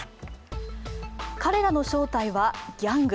彼らの正体は、ギャング。